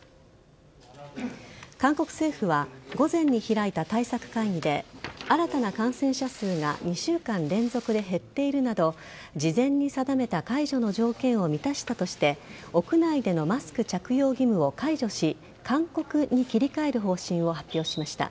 韓国政府は午前に開いた対策会議で新たな感染者数が２週間連続で減っているなど事前に定めた解除の条件を満たしたとして屋内でのマスク着用義務を解除し勧告に切り替える方針を発表しました。